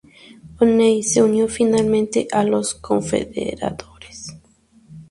O'Neill se unió finalmente a los Confederados.